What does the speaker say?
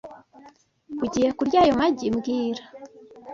Ugiye kurya ayo magi mbwira